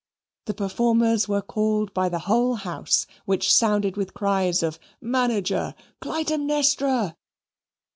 The performers were called by the whole house, which sounded with cries of "Manager! Clytemnestra!"